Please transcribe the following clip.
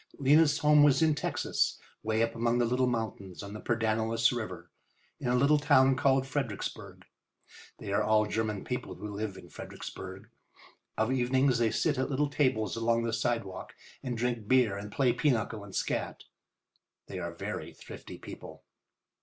Lena's home was in Texas, away up among the little mountains on the Pedernales River, in a little town called Fredericksburg. They are all German people who live in Fredericksburg. Of evenings they sit at little tables along the sidewalk and drink beer and play pinochle and scat. They are very thrifty people.